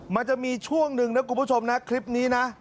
มันจะมีช่วงหนึ่งนะคุณผู้ชมนะคลิปนี้นะ